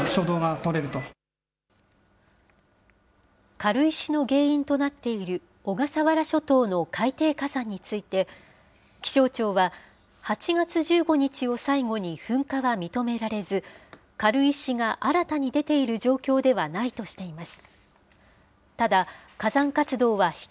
軽石の原因となっている小笠原諸島の海底火山について、気象庁は８月１５日を最後に、噴火が認められず、軽石が新たに出ている状況ではないとしています。